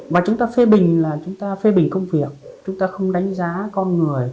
và chúng ta phê bình là chúng ta phê bình công việc chúng ta không đánh giá con người